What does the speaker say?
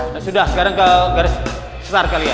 ya sudah sekarang ke garis setar kalian